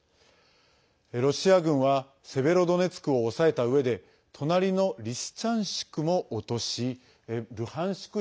ロシア軍はセベロドネツクを押さえたうえで隣のリシチャンシクも落としルハンシク